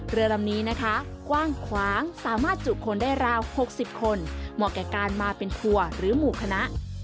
เรือลำนี้นะคะกว้างขวางสามารถจุคนได้ราว๖๐คนเหมาะแก่การมาเป็นทัวร์หรือหมู่คณะ